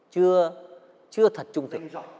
chưa thật trung thực